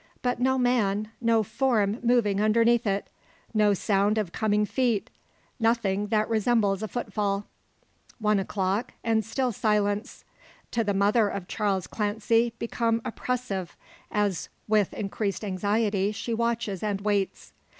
But no man, no form moving underneath it. No sound of coming feet; nothing that resembles a footfall. One o'clock, and still silence; to the mother of Charles Clancy become oppressive, as with increased anxiety she watches and waits.